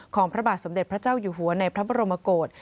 พระบาทสมเด็จพระเจ้าอยู่หัวในพระบรมกฏ